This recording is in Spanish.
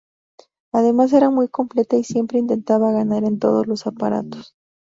Además era muy completa y siempre intentaba ganar en todos los aparatos.